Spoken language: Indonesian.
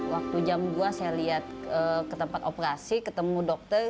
waktu jam dua saya lihat ke tempat operasi ketemu dokter